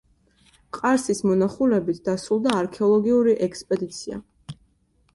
ყარსის მონახულებით დასრულდა არქეოლოგიური ექსპედიცია.